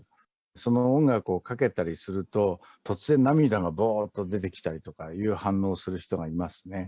その音楽をかけたりすると、突然涙がぼーっと出てきたりとかいう反応をする人がいますね。